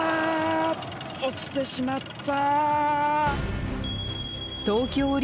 落ちてしまった。